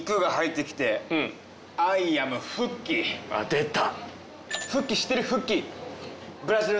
出た！